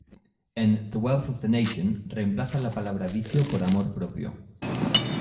En "The Wealth of the Nation", reemplaza la palabra "vicio" por "amor propio".